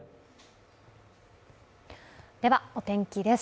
ではお天気です。